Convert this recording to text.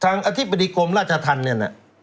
อธิบดีกรมราชธรรมเนี่ยนะ